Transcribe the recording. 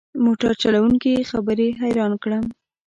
موټر چلوونکي خبرې حیران کړم.